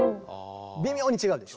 微妙に違うでしょ。